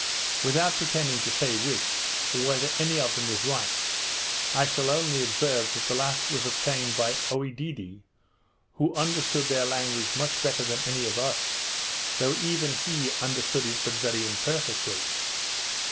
Without pretending to say which, or whether any of them is right, I shall only observe, that the last was obtained by Oedidee, who understood their language much better than any of us, though even he understood it but very imperfectly.